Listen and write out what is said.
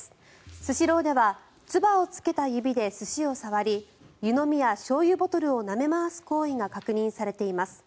スシローではつばをつけた指で寿司を触り湯飲みやしょうゆボトルをなめ回す行為が確認されています。